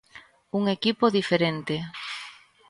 Un equipo diferente.